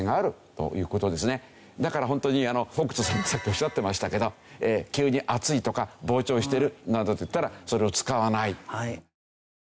だからホントに北斗さんがさっきおっしゃってましたけど急に熱いとか膨張してるなどといったらそれを使わない。